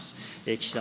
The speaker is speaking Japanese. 岸田